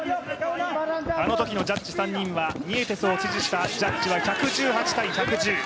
あのときのジャッジ３人はニエテスを支持したジャッジは１１８−１１０。